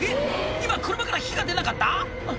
今車から火が出なかった？